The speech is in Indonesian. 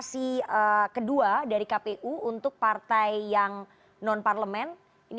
tim liputan cnn indonesia